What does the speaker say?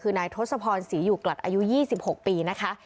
คือนายทศพรศรีอยู่กลัดอายุ๒๖ปีนะคะ